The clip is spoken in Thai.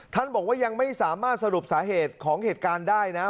บอกว่ายังไม่สามารถสรุปสาเหตุของเหตุการณ์ได้นะ